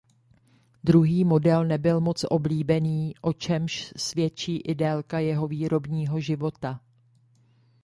Druhý model nebyl moc oblíbený o čemž svědčí i délka jeho výrobního života.